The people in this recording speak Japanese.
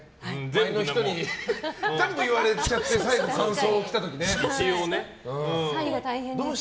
他の人に全部言われちゃって最後感想きた時ね。